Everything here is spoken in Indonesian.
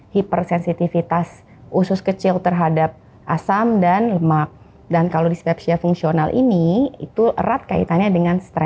hipersensitivitas usus kecil terhadap asam dan lemak dan kalau dispepsia fungsional ini itu erat